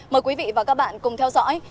mời quý vị và các bạn cùng theo dõi